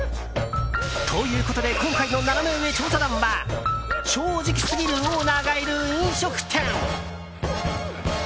ということで今回のナナメ上調査団は正直すぎるオーナーがいる飲食店。